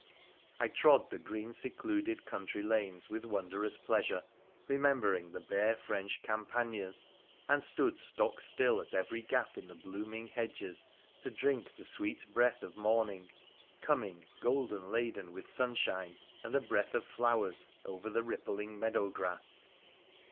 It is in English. I trod the green, secluded country lanes with wondrous pleasure, remem bering the bare French campagnas, and stood stock still at every gap in the blooming hedges to drink the sweet breath of morning, coming, golden laden with sunshine and the breath of flowers, over the rippling meadow grass